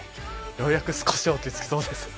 ようやく少し落ち着きそうです。